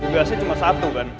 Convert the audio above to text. gak sih cuma satu kan